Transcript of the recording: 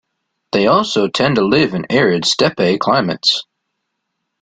They also tend to live in arid steppe climates.